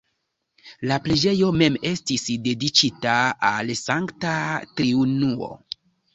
La preĝejo mem estis dediĉita al Sankta Triunuo.